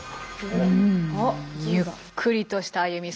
ゆっくりとした歩み。